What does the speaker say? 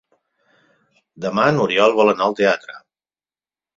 Demà n'Oriol vol anar al teatre.